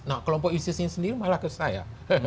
nah kelompok isis ini sendiri malah ke saya